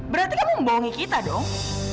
berarti kamu membohongi kita dong